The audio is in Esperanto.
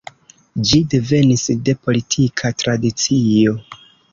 Ĝi devenis de politika tradicio.